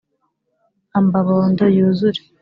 ambabondo yuzure